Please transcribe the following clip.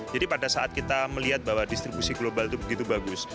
jadi pada saat kita melihat bahwa distribusi global itu begitu bagus